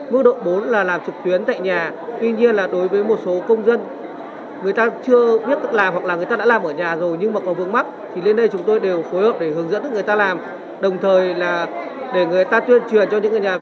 mức độ bốn là làm trực tuyến tại nhà tuy nhiên là đối với một số công dân người ta chưa biết làm hoặc là người ta đã làm ở nhà rồi nhưng mà có vướng mắt thì lên đây chúng tôi đều phối hợp để hướng dẫn người ta làm đồng thời là để người ta tuyên truyền cho những người nhà